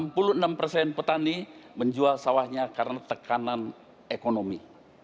enam puluh enam persen petani menjual sawahnya karena tekanan ekonomi